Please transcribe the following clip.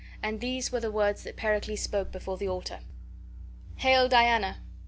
And these were the words that Pericles spoke before the altar: "Hail, Diana!